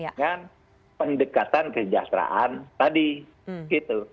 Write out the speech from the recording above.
dengan pendekatan kesejahteraan tadi gitu